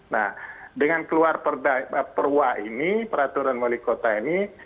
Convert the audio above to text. nah dengan keluar perwa ini peraturan melikota ini